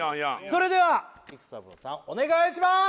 それでは育三郎さんお願いします！